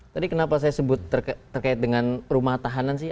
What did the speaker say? tadi kenapa saya sebut terkait dengan rumah tahanan sih